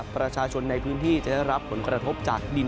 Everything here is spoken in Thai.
ประชาชนในพื้นที่จะได้รับผลกระทบจากดิน